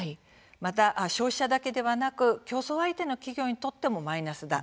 また、消費者だけではなく競争相手の企業にとってもマイナスだ。